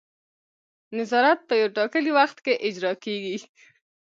نظارت په یو ټاکلي وخت کې اجرا کیږي.